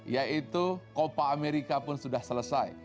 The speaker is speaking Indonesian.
yaitu copa amerika pun sudah selesai